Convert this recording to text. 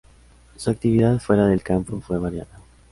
Su actividad fuera del campo fue variada.